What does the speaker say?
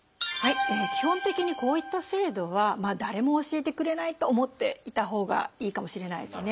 基本的にこういった制度は誰も教えてくれないと思っていたほうがいいかもしれないですよね。